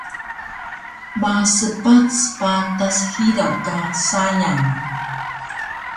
Maspac patas hidaw ka sayang